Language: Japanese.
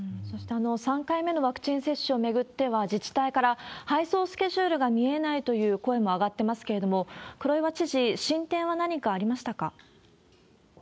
そして、３回目のワクチン接種を巡っては、自治体から配送スケジュールが見えないという声も上がってますけれども、黒岩知事、進展は何かありましたか？